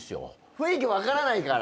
雰囲気分からないから。